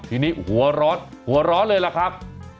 ทีนี้หัวร้อนหัวร้อนเลยล่ะครับ